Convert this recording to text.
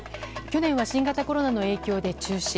去年は新型コロナの影響で中止。